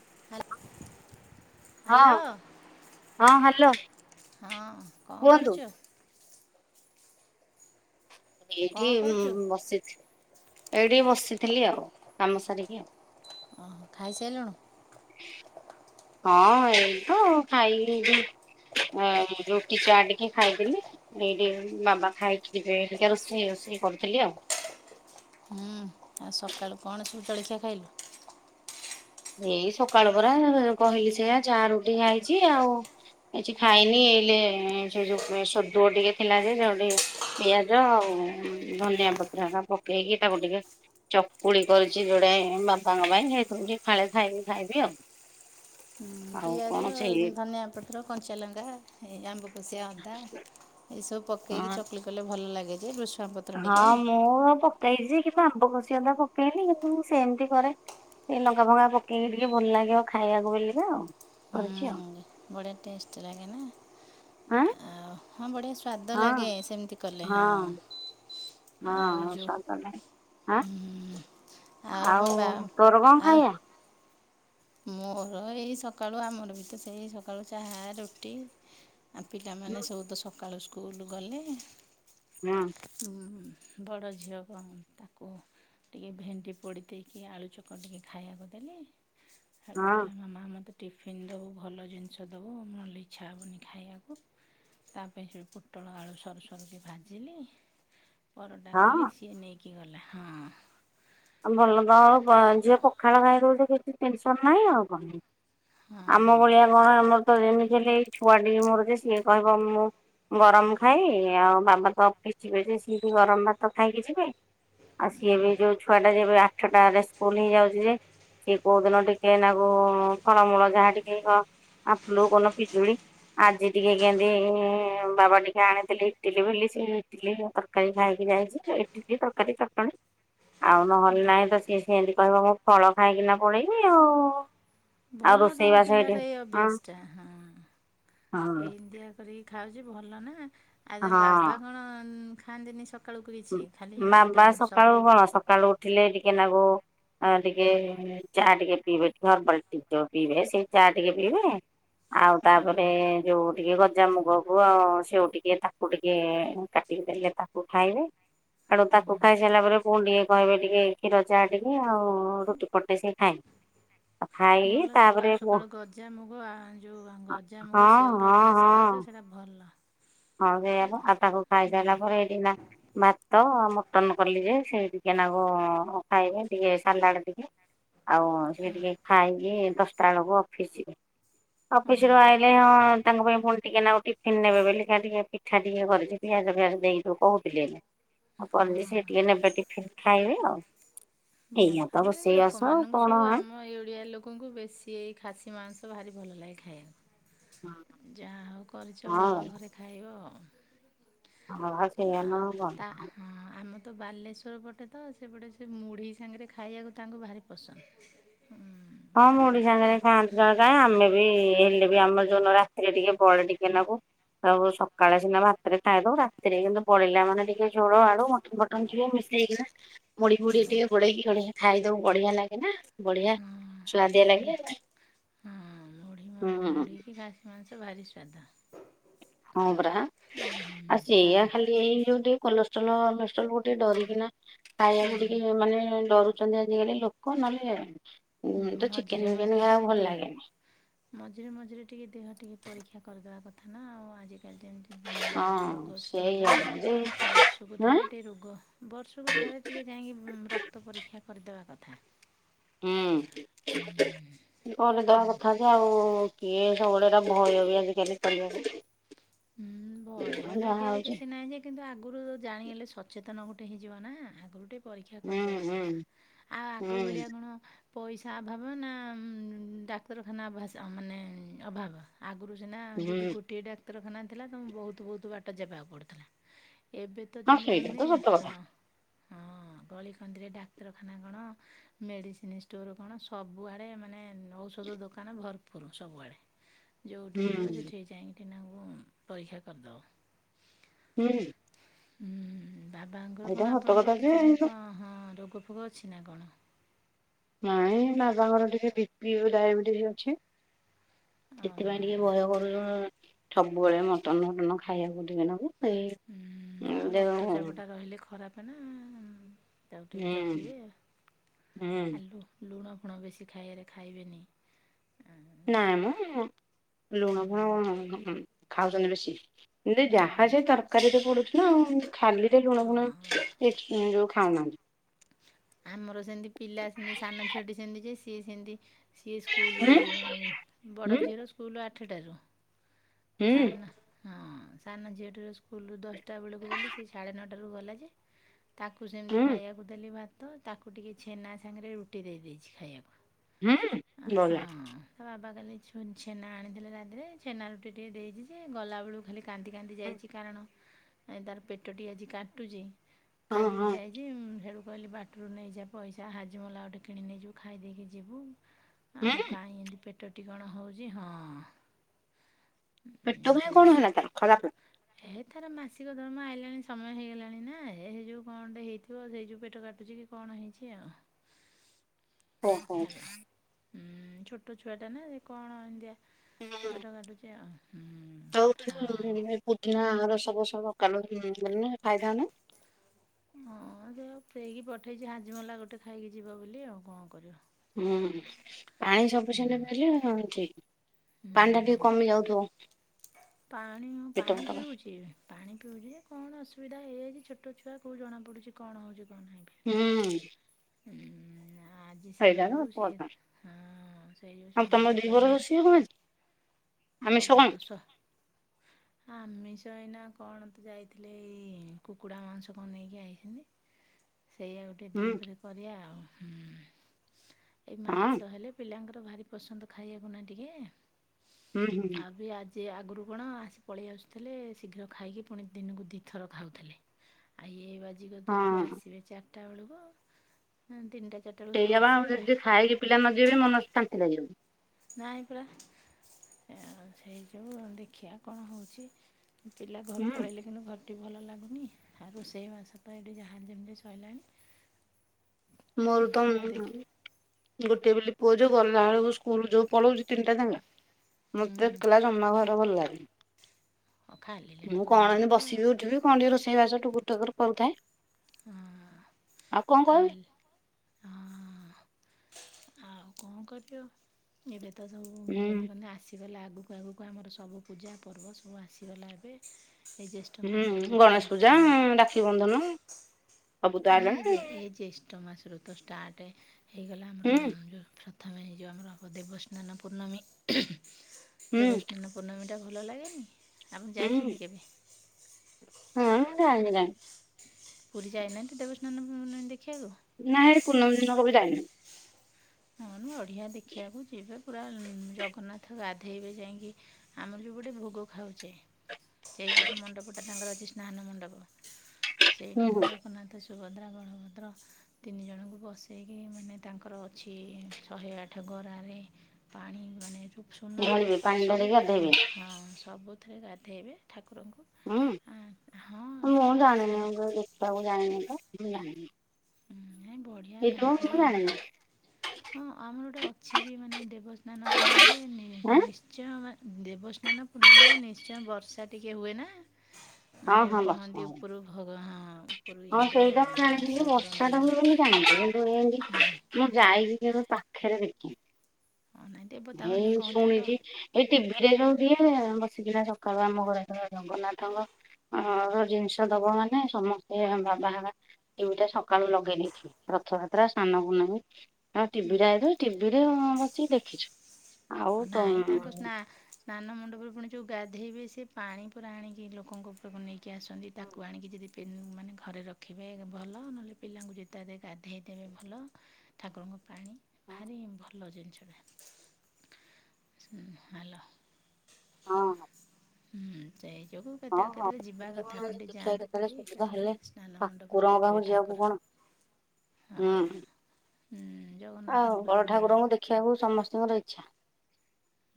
ହାତ୍। ହଁ ହଁ ହ୍ୟାଲୋ। ହଁ କଣ କୁହନ୍ତୁ। କରୁଛୁ। କଣ ଏଇଠି କରୁଛୁ? ବସିଥି। ଏଇଠି ବସିଥିଲି ଆଉ କାମ ସାରିକି ଆଉ। ଓୋ ଖାଇସାଇଲୁଣୁ। ହଁ ଏଇ ତ ଖାଇଲି। ରୁଟି ଚୁଆ ଟିକେ ଖାଇଦେଲି ଏଇଠି ବାବା ଖାଇକି ଯିବେ ଏନା ରୋଷେଇ ହେଉଛି। ସେ କରୁଥିଲି ଆଉ। ହୁଁ ଆଉ ସକାଳୁ କଣସିବୁ ଜଳଖିଆ ଖାଇଲ। ଏଇ ସକାଳ ପରା କହିଲି ସେଇଆ ଚା ରୁଟି ଖାଇଛି ଆଉ କିଛି ଖାଇନି। ଏଲେ ସେ ଯୋଉ ସଦୁଅ ଟିକେ ଥିଲା ଯ ଉ ପିଆଜ ଆଉ ଧନିଆ ପତ୍ରଆଣ ପକେଇକି ତାକୁ ଟିକେ ଚକୁଳି କରିଛି ଯୋଡେ ବାପାଙ୍କ ପାଇଁ ହେଉଥିରୁ ଟିକେ। ଫାଳେ ଖାଇବି ଖାଇବି ହୁଁ ଆଉ। ପିଆଜ କଣ ସେଇ ଧନିଆ ପତ୍ର କଞ୍ଚାଲଙ୍କା ଏ ଆମ୍ବକଷିଆ ଅଦା ଏସବୁ। ପକେଇକି ହଁ ଚକୁଲି କଲେ ଭଲ ଲାଗେ ଯେ ବୃଷୁ ହଁ ମୁଁ ପକେଇଛି କିନ୍ତୁ ଆମ୍ବ କଷିଆ ଅଦା ପକେଇନି କିନ୍ତୁ ସେମିତି କରେ। ଏ ଲଙ୍କା ଫଙ୍ଗା ପକେଇନି ଟିକେ ଭଲ ଲାଗିବ ଖାଇବାକୁ ବଲି କା ଆଉ କରିଛି ଆଉ। ବଢେ ଟେଷ୍ଟ ଲାଗେନା ଆଁ ଆଉ ହଁ ବଢିଆ ସୁ ସ୍ୱାଦ ଲାଗେ ହଁ ସେମିତି କଲେ ହଁ। ଆଉ ହଁ ଯେଉଁ ସ୍ଵଦ ନାହିଁ ଆଁ। ମୋ ଆଉ ବା ତୋରକଣ ଆଉ ଖାଇବା। ମୋର ଏଇ ସକାଳୁ ଆମର ବି ତ ସେଇ ସକାଳୁ ଚାହା ରୁଟି। ଆଉ ପିଲାମାନେ ସବୁ ତ ସକାଳୁ ସ୍କୁଲ ଗଲେ। ହୁଁ ବଡ଼ ଝିଅ କ ତାକୁ। ଟିକେ ଭେଣ୍ଡି ପୋଡ଼ି ଦେଇେଇକି ଆଳୁ ଚକ ଟିକେ ଖାଇବାକୁ ଦେଲି। ସେଠୁ ହଁ କହିଲା ମାମା ମତେ ଟିଫିନ୍ ଦେବୁ ଭଲ ଜିନିଷ ଦେବୁ ନହେଲେ ଇଚ୍ଛା ହେବନି ଖାଇବାକୁ। ତା ପାଇଁ ହେ ପୋଟଳ ଆଳୁ ସରୁ ସରୁକି ଭାଜିଲି। ପରଟା କଲି ହଁ ସିଏ ନେଇକି ଗଲା ହଁ। ଆ ଭଲ ତ ଆଉ ଝିଅ ପଖାଳ ଖାଇ ଦଉଛି କିଛି ଟେନସନ ନାହିଁ ଆଉ କଣ। ଆମ ଭଳିଆ ହଁ କଣ ଆମର ତ ଯେମିତି ହେଲେ ଏଇ। ଛୁଆଟି ମୋର ଯେ ସିଏ କହିବ ମୁଁ ଗରମ ଖାଇବିନି ଆଉ ବାବା ତ ଅଫିସ ଯିବେ ସିଏ ଗରମ ଭାତ ଖାଇକି ଯିବେ ଆ ସିଏ ବି ଯୋଉ ଛୁ ଛୁଆଟା ଯେ ଏବେ ଆଠଟାରେ ସ୍କୁଲ ହେଇଯାଉଛି ଯେ ସେ କୋଉଦିନ ଟିକେ ନାଗୁ ଫଳମୂଳ ଯାହା ଟିକେ ଅ ଆପୁଲୁ କୋଉଦିନ ପିଜୁଳି ଆଜି ଟିକେ କେମିତି ଇ ବାବା ଟିକେ ଆଣିଥିଲି ଇଟିଲି ବୋଲି ସେ ଇଟିଲି ତରକାରୀ ଖାଇକି ଯାଇଚି ଇଟିଲି, ତରକାରୀ, ଚଟଣୀ ଆଉ ନହେଲେ ନାହିଁ ତ ସିଏ ସେମତି କହିବ ମୁଁ ଫଳ ଖାଇକିନା ପଳେଇବି ଆଉ ଆଉ ଭଲ ତମ ରୋଷେଇ ବାସ ଏଇଠି ପିଲାର ଏଇ ହଁ। ଅଭ୍ୟାସଟା ହଁ ହଁ ଏହିମିତ୍ୟା କରି ଖାଉଛି ଭଲ ନା ଆଉ ମୁଁ ବାବା କଣ ଖାଆନ୍ତିନି ସ ଉମ‌ ମାମା ସକାଳୁ କଣ ସକାଳୁ ଉଠିଲେ ଟିକେ ନାଗୁ ଆଉ ଟିକେ ଚା ଟିକେ ପିଇବେ ଟିକେ ହରବଲଟି ଯୋଉ ପିଇବେ ସେଇ ଚା ଟିକେ ପିଇବେ ଆଉ ତାପରେ ଅହ ରେ ଯୋଉ ଟିକେ ଗଜାମୁଗକୁ ଆଉ ସେଉ ଟିକେ ତାକୁ ଟିକେ କାଟିକି ଦେଲେ ତାକୁ ଖାଇବେ ଆଡୁ ତାକୁ ଖାଇସାରିଲା ପରେ ପୁଣି ଟିକେ କହିବେ ଟିକେ କ୍ଷୀରଚା ଟିକେ ଆଉ ରୁଟି ପଟେ ସିଏ ଖାଏ। ଭଲ ସକାଳୁ ସକାଳୁ ଗଜାମୁଗ ଆ ଯଉ ହଁ ଗଜାମୁଗ ସେଉର ହଁ ଅଭ୍ୟାସ ହଁ କରିଛ ସେଇଟା ଭ ହଁ ସେଆପା ଆଉ ତାକୁ ଖାଇସାରିଲା ହୁଁ ପରେ ଏଇଠି ନା ଭାତ ଆମ ବଟନ କଲି ଯେ ସେ‌ ଟିକେ ନାଗୁ ଖାଇବେ ଟିକେ ସାଲାଡ ଟିକେ ଆଉ ସେଏ ହଁ ଟିକେ ଖାଇକି ଦଶଟା ବେଳକୁ ଅଫିସ ଯିବେ। ହଁ ଅଫିସରୁ ଆଇଲେ ହଁ ତାଙ୍କ ପାଇଁ ପୁଣି ଟିକେ ନାଗୁ ଟିଫିନ୍ ନେବେ ବୋଲି ଆଉ ଟିକେ ପିଠା ଟିକେ କରିଛି ପିଆଜ ଫିଆଜ ଦେଇ ସବୁ କହୁଥିଲେ ଯେ ଆଉ ହଁ କଲି ସେ ଟିକେ ନେବେ ଟିକେ ଫର ଖାଇବେ ଆଉ। ଏଇଆ ତ ଭଲ ଏ ରୋଷେଇବାସ ଲୋକମାନଙ୍କୁ କଣ ସବୁ ଆମ ଏଇ ଓଡିଆ ଲୋକଙ୍କୁ ବେଶୀ ଏଇ ଖାସିମାଂସ ବାହାରି ଭଲ ଲାଗେ ଖାଇବାକୁ। ଯାହା ହଉ କରିଚ ହଁ ଭଲ ଘରେ ଖାଇବ ଆଉ। ହଁ ସେୟା ଆ ନୁହେଁ ଆଉ ତା କଣ। ହଁ ଆମ ତ ବାଲେଶ୍ୱର ପଟେ ତ ସେପଟେ ସେ ମୁଢ଼ି ସାଙ୍ଗରେ ଖାଇବାକୁ ତାଙ୍କୁ ଭାରି ପସନ୍ଦ। ହୁଁ ହଁ ମୁଁ ମୁଢ଼ି ତାପରେ ସାଙ୍ଗରେ ଖାଆନ୍ତି ଜଣେ ଜଣେ ଆମେ ବି ହେଲେ ବି ଆମର ଯଉଦିନ ରା ହେଲେ ଟିକେ ବଡ ଟିକେ ନବୁ। ଆଉ ସକାଳେ ସିନା ଭାତରେ ଖାଇଦେବୁ ରାତିରେ କିନ୍ତୁ ବଳିଲା ମାନେ ଟିକେ ଝୋଳ, ଆଡୁ, ମଟନଫଟନ ଟିକେ ମିଶ ହେଇକିନା ମୁଢିପୁଢି ହଁ ଟିକେ ଗୋଳେଇକି ଗୋଳେଇକି ଖାଇଦଉ ବଢିଆ ଲାଗେ ନା ବଢିଆ। ହଁ ସୁଆଦିଆ ମୁଢ଼ି ଲାଗେ ହଁ ଖାସିମାଂସ ଭାରି ସ୍ବାଦ। ହଁ ବ୍ରହା ଆ ସେଇଆ ଛାନ୍ ଖାଲି ଏଇ ଯୋଉ ଟିକେ କଲ ଷ୍ଟଲହଷ୍ଟଲକୁ ଟିକେ ଡରିକିନା ଉଁ ଖାଇବାକୁ ଟିକେ ମାନେ ଡରୁ। ଅଛନ୍ତି ଆଜିକାଲି ଲୋକ ନହେଲେ ଉଁ ଉମ ତ ମଝିରେ ଚିକେନଫିକେନ ମଝିରେ ଟିକେ ଖାଇବାକୁ ଭଲ ଦେହ ଲାଗେନି। ମଝିରେ ମଝିରେ ଟିକେ ଦେହ ଟିକେ ପରୀକ୍ଷା କରିଦେବା କଥା ନା ଆଉ ଆଜିିକାଲି ଯେମତି ହଁ ସେଇଆ ଯେ ବର୍ଷକୁ ଆଁ ଥରେ ଟିକେ ରୋଗ ବର୍ଷକୁ ଥରେ ଟିକେ ଯାଇଁକି ଉମ‌ ରକ୍ତ ପରୀକ୍ଷା କରିଦବା କଥା। ହୁଁ କରିଦବା କଥା ଯେ ଆଉ କିଏ ସବୁଳୋ ଭୟ ବି ଆଜିକାଲି କରିବାକୁ। ହୁଁ ଭୟ ହଁ ଲାଗିବା ଯାହା ତ ହଉଛି। କିଛି ନାହିଁ ଯେ କିନ୍ତୁ ଆଗ ଆଗରୁ ଜାଣି ହେଲେ ସଚେତନ ଗୋଟେ ହେଇଯିବ ନା ଆଗରୁ ଗୋଟେ ପରୀକ୍ଷା ହୁଁ କରିଦବା ହୁଁ କଥା। ଆଉ ଆଗ ହୁଁ ଭଳିଆ କଣ ପଇସା ଅଭାବ ନା ଡାକ୍ତରଖାନା ଅଭ୍ୟାସ ମାନେ ଅଭାବ। ଆଗୁରୁ ସିନା ହୁଁ ଯଦି ଗୋଟିଏ ଡାକ୍ତରଖାନା ଥିଲା ତ ବହୁତ ବହୁତ ବାଟ ଯିବାକୁ ପଡ଼ୁଥିଲା। ଏବେ ତ ହଁ ଚିହ୍ନି ସେଇଟା ପାରୁନି ତ ସତ କଥା ହଁ। ବଳିକନ୍ଦିରେ ଡାକ୍ତରଖାନା କଣ ମେଡ଼ିସିନ ଷ୍ଟୋର କଣ ସବୁଆଡ଼େ ମାନେ ଔ ଧ ଦୋକାନ ଭରପୁର ସବୁଆଡେ ହୁଁ ଯେଉଁଠିକି ଯିବ ସେଠିାଇଁି ହ ତାଇକ୍ଷା କରଦ ହୁଁ ହୁଁ ବାବାଙ୍କର ଏଇଟା କଣ ସତ କଥା ଆପଣଙ୍କର ଯେ କିଛି କଣ ହଁ ରୋଗ କୃପୋଗ ଅଛି ନା କଣ ନାଇଁ ମା ବାଙ୍କର ଟିକେ ବି ପି ଡାଇବେଟିସ୍ ଅଛି ସେଥିପାଇଁ ଓହୋ ଟିକେ ଏ ବୟ କର ସବୁବେଳେ ମଟନ ଫଟନ ଖାଇବାକୁ ଦେିବେ ନାବ ହୁଁ ଆଉ ରକ୍ତ ଚାାପ ଟା ରହିଲେ ଖରାପ ନା ତାକୁ ଟିକ ହୁଁ ଜଗିବେ ଆଉ ଆଲୁ ଲୁଣ ଆ କପଣ ବେଶୀ ଖାଇବାରେ ଖାଇବେନି ନାଇଁ ମୁଁ ଲୁଣ ଫଣ ଖାଉଛନ୍ତି ବେଶୀ ଏ ଜାହାଜ ତରକାରୀରେ ପଡୁଛିୁ ନା ଖାଲିରେ ଲୁଣବୁଣ ଯୋଉ ଖାଉନାହାନ୍ତି ଆମର ସେମିତି ପିଲା ସେମିତି ସାନ ଛୁଅଟି ସେମିତି ଯେ ସିଏ ସେମତି ସିଏ ସ୍କୁଲ ହୁଁ ହୁଁ ବଡ଼ ଝିଅର ସ୍କୁଲ ଆଠଟାରୁ ସ ହୁଁ ହଁ ସାନ ଝିଅଟିର ସ୍କୁଲରୁ ଦଶଟା ବେଳକୁ ବୋଲିଲି ସି ସାଢ଼େ ନଅଟାରୁ ଗଲା ଯେ ତାକୁ ସେମିତି ହୁଁ ଖାଇବାକୁ ଦେଲି ଭାତ ତାକୁ ଟିକେ ଛେନା ସାଙ୍ଗରେ ରୁଟି ଦେଇ ଦେଇେଇଛି ଖାଇବାକୁ ହୁଁ ବ ାାଲି ଛେନା ଆଣିଥିଲେ ରାତିରେ ଛେନା ରୁଟି ଟିକେ ଦେଇଛି ଯେ ଗଲାବେଳକୁ ଖାଲି କାନ୍ଦି କାନ୍ଦି ଯାଇଛି କାରଣ ତର ପେଟଟି ଆଜି କାଟୁଛି ହଁ କାନ୍ଦିକି ହଁ ଯାଇଛି ସେଳୁ କହିଲି ବାଟରୁ ନେଇଯା ପଇସା ହାଜମଲା ଗଟେ କିଣ ନେଇଯୁ ଖାଇ ଦେଇେଇକି ଯିବୁ ହୁଁ ଆଉ କାହିଁ ଏତି ପେଟଟି କଣ ହଉଛି ହଁ ଉଁ, ପେଟ ଭ କଣ ହେଲା ତ ଖରାପ ଥର ମାସିକ ଦର୍ମା ଆଇଲାଣି ସମୟ ହେଇଗଲାଣି ନା ଏ ଯଉ କଣେ ହେଇଥିବ ସେଇ ଯଉ ପେଟ କାୁଛି କି କଣ ହେଇଛି ଆଉ ହୁ ହୋ ହେଲା। ହୁଁ ଛୋଟ ଛୁଆ ଟା ନା ସେ କଣ ଏଇନ୍ଦଆ ସେ ପେଟ କାଟୁଛି ଆଉ ହୁଁ ତ ଆଉ ପୁଦିନାର ସବୁ ସବୁ କାଲ ଖାଇଦା ନା ହ। ହଁ ସେଉ ସେକି ପଠେଇଛି ହାଜିମଲା ଗୋଟେ ଖାଇକି ଯିବ ବୋଲି ଆଉ କଣ କରିବ। ହୁଁ ପାଣି ସବୁସ ଠିକ ପାଣ୍ଡା ଟିକେ ହୁଁ କମି ଯାଉଥିବ। ପାଣି ପେଟ ପାଣି ଫେଟ ପିଉଛି ପାଣି ପିୁ ଯେ କଣ ଅସୁବିଧା ହେଇଯଛି ଛଟ ଛୁଆ କଉ ଜଣା ପୁଛି କଣ ହେଉଛି କଣ? ନାହିଁ। ହୁଁ। ହୁଁ ଆଜି ସେଇ ସେଇଟା ତ ଯୋଗୁଁ ସିଏ କଥା ହଁ ସେଇ ଯୋଗୁଁ ଆଉ ତମ ସତା ତ ଦିପହର ଏନା ରୋଷେଇ କଣ ଆଜି ଆମିଷ ସବ କଣ ତ ସ ଆମ ମିଷ ଏଇନା କଣ ତ ଯାଇଥିଲେି ଏ କୁକୁଡ଼ା ମାଂସ କଣ ନେଇକି ଆଇଛନ୍ତି। ସେଇଆଉ ଟିକେ ହୁଁ ଦୁିଇପରେ କରିବା ଆଉ। ହୁଁ। ଏଇ ହଁ। ମାଂସ ହେଲେ ପିଲାଙ୍କର ଭାରି ପସନ୍ଦ ଖାଇବାକୁ ନାହି ଟିକେ। ହୁଁ ହୁଁ। ଯେ ଆଗରୁ କଣ ଆସି ପଳେଇ ଆସୁଥିଲେ ଶୀଘ୍ର ଖାଇକି ପୁଣି ଦିନକୁ ଦିଥର ଖାଉଥିଲେ। ଆ ଏ ବାଜିଗଦ ଏଇଠି ହଁ ଆସିବେ ଚାରିଟା ବେଳକୁ ତିନିଟା ଚାରିଟା ବେଳକୁ ହେଇ ସବୁ ଯବା ଆସିବେ ଆ ଯା ଯି ଖାଇକି ପିଲା ନ ଯିବେ ମନ ଶାନ୍ତି ଲାଗିବ ନାଇହିଁ ପୁରା ସେଇ ସୁ ଦେଖିବା କଣ ହେଉଛି? ପିଲା ଘରୁ ହୁଁ। ପଳେଇଲେ କିନ୍ତୁ ଘର ଭଲ ଲାଗୁନି ଆ ସେଇ ମାଛ ତ ଏଠି ଯାହା ଯେମିତି ଶୋଇଲାଣି। ମର୍ଦମ ଗୋଟେ ବୋଲି ପୁଅ ଯଉ ଗଲା ବେଳକୁ ସ୍କୁଲ ଯୋଉ ପଳଉଛି ତିନିଟା ଜଙ୍ଗା ମତେ ହୁଁ ଦେିଲ ଜମା ଘର ଭଲ ଲାଗେ। ଖାଲି ମୁଁ ଲାଗିବ ଘର କଣ ଏ ପୁରା ବସିବି ହଁ। ଉଠିବି କଣ ଟିକେ ରୋଷେଇ ବାସ ଟୁକୁ ଟକର କରୁଥାଏ। ଆଉ କଣ କହିବି? କାଲି ହଁ ଆଉ କଣ କରିବ ଏବେ ତ ସବୁ ହୁଁ ଯେମିତି କିଲେ ଆସିଗଲା ଆଗକୁ ଆଗକୁ ଆମର ସବୁ ପୂଜା ପର୍ବ ସବୁ ଆସିଗଲା ଏବେ। ଏଇ ଜ୍ୟେଷ୍ଠ ହୁଁ ମାସରେ ଏବେ ଚାଲି ଗଣେଶ ପୂଜା ହଁ ରାକ୍ଷୀ ବନ୍ଧନ ସବୁ ତ ନାଇଁ ଆଇଲାଣି। ଏ ଯେ ଏଇ ଜେଷ୍ଟ ମାସ ଋ ତ ଷ୍ଟାର୍ଟ ହେଇଗଲା ଆମର ହୁଁ ଯଉ ପ୍ରଥମେ ହେଇଯିବ ଆମର ଦେବସ୍ନାନ ପୂର୍ଣ୍ଣମୀ ହୁଁ ଦେବସ୍ନାନ ପୂର୍ଣ୍ଣମୀଟା ଭଲ ଲାଗେନି ଆମ ହୁଁ ଯାଇଛନ୍ତି କେବେ? ଆ ନାଁ ପୁରୀ ଯାଇନାହାନ୍ତି ଦେବସ୍ନାନ ଦେଖିବାକୁ। ନା କୁନ ଦିନିନ କବ ଯାଇନି ହ ଅଡିଆ ଦେଖିବାକୁ ଯିବେ ପୁରା ଜଗନ୍ନାଥ ଗାଧେଇବେ ଯାଇକି ଆମର ଯୋ ସେପଟେ ଭୋଗ ଖାଉଛେ ସେପଟେ ମଣ୍ଡପଟା ତାଙ୍କର ଅ ସ୍ନ ମଣ୍ଡପ ସେଇଠି ହୁଁ ତ ହୁଁ ଜଗନ୍ନାଥ ସୁଭଦ୍ରା ବଳଭଦ୍ର ତିନି ଜଣଙ୍କୁ ବସେଇକି ମାନେ ତାଙ୍କର ଅଛି ଶହେ ଆଠ ଗରାରେ ପାଣି ମାନେ ସୁନା ଧରିବେ ରୁପା ପାଣି ସବୁ ଢାଳିକି ଗାଧେଇବେ ହଁ ସବୁଥିରେ ଗାଧେଇବେ ଠାକୁ ହୁଁ ମୁଁ ଅଛି ନା ଜାଣିନିବ ଜଣିନି ତ ମୁଁ ଜାଣିନି ନାଇଁ ବଢ଼ିଆ ଗାଧେଇବେ ଏଟଖ ଏମେ ଆଣେ ହଁ ଆମର ଗୋଟେ ଅଛି ବି ମାନେ ଦେବସ୍ନାନ ପୂର୍ଣମୀରେ ନିଶ୍ଚୟ ଦେବସ୍ନାନ ପୂର୍ଣ୍ଣମୀରେ ନିଶ୍ଚୟ ବର୍ଷା ଟିକେ ହୁଏ ନା ଆଁ ହଁ ମାନେ ହଁ ବର୍ଷା କହନ୍ତି ହେଲା ଉପରୁ ଭଗାନ ଉପରୁ ହଁ ଇନ୍ଦ୍ର ସେଇଟା ମୁଁ ଜାଣିଥିଲି ବର୍ଷା କରନ୍ତି ବର୍ଷାଟା ହ ବୋଲି ଜାଣିଛ କିନ୍ତୁ ଏତି ମୁଁ ଯାଇକି ସେ ପାଖରେ ଦେଖି ହଁ ନାଇଁ ଦେବତାମାନେ ଏଇ କଣ ତାର ଡ ଶୁଣିଛି ଏଇ ଟିଭିରେ ଯଉ ଦିଏ। ବସିକିନା ସକାଳୁ ଆମ ଘରେ ଜଗନ୍ନାଥଙ୍କ ଜିନିଷ ଦବ ମାନେ ସମସ୍ତେ ବାବା ମିଟା ସକାଳୁ ଲଗେଇ ଦେଇଥିଲେ ରଥଯାତ୍ରା ସ୍ାନକୁ ନାହିଁ ଆଉ ଟିଭି ରେ ଆଇଥ ଟିଭି ରେ ବସିକି ଦେଖିଛୁ ଆଉ ହ ତ ନାଇଁ ତାଙ୍କ ସ୍ ସ୍ନାନ ମଣ୍ଡପରେ ପୁଣି ଯଉ ଗାଧେଇବେ ସେ ପାଣି ପ ଆଣିକି ଲୋକଙ୍କ ଉପରକୁ ନେଇକି ଆସନ୍ତି ତାକୁ ଆଣିକି ଯଦି ମାନେ ଘରେ ରଖିବେ ଭଲ ନହେଲେ ପିଲାଙ୍କୁ ଜୋତା ଦେଇ ଗାଧୋଇ ଦେବେ ଭଲ ଠାକୁରଙ୍କ ପାଣି ଭାରି ଭଲ ଜିନିଷଟା। ହ୍ୟାଲୋ। ହଁ। ହୁଁ ସେଇ। ନି ଯୋଗୁଁ ହଁ କେତେବେଳେ ହଁ କେତେବେଳେ ଯିବା କଣ କଥା ଆପଣ କେତେବେଳେ ଦେଖିବା ଯାଆନ୍ତୁ କେତେବେଳେ ପୁରୀ ସୁବିଧା ହେଲେ କେତେବେଳେ ସ୍ନାନ ମଣ୍ଡପରେ ଦେଖିବେ ଠାକୁର। ହଁ। ହୁଁ ଆଉ ଜଗନ୍ନାଥଙ୍କର ଯୋଉ ବଡ଼ ମିଳେ ଠାକୁରଙ୍କୁ ଦେଖିବାକୁ ସମସ୍ତଙ୍କର ଇଚ୍ଛା।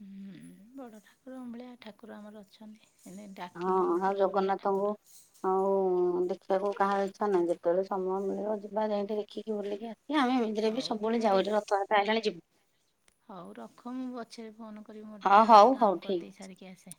ହୁଁ ବଡ ଠାକୁର ଭଳିଆ ଠାକୁର ଆମର ଅଛନ୍ତି। ହେ ଡାକିଲେ ହଁ ଓ ଆଉ କଲା ଭଳିଆ ଜଗନ୍ନାଥଙ୍କୁ ଠାକୁର। ଆଉ ଦେଖିବାକୁ କାହା ଇଚ୍ଛା ନାହିଁ ଯେତେବେଳେ ସମୟ ମିଳିବ ଯିବା ଯୋଇ ଟିକେ ଦେଖିକି ବୁଲିକି ଆ ହେ ଆମ ଏମିତିରେ ହଉ ସବୁବେଳେ ମୁଁ ଯାଉଛ ଦେଖ ରଥଯାତ୍ରା ହେଲାଣି ଯିବୁ। ହଉ ରଖ ମୁଁ ପଛରେ ଫୋନ କରିବି ମୋର ଟିକେ ହଁ ଯାଉଛି ହଉ ହଉ କାମ ଠିକ୍ କରିଦେଇ ସାରିକି ଆସେ।